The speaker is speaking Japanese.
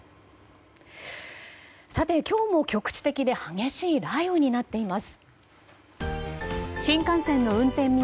さて、今日も局地的に激しい雷雨になっています。